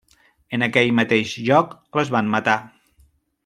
En aquell mateix lloc les van matar.